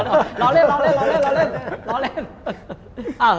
ล้อเล่น